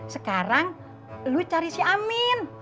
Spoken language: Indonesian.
sekarang lu cari si amin